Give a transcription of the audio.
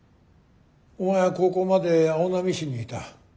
お前は高校まで青波市にいた。